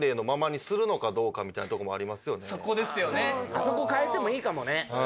あそこ変えてもいいかもね。